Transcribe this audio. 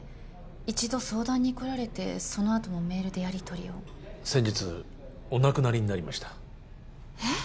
一度相談に来られてそのあともメールでやりとりを先日お亡くなりになりましたえっ！？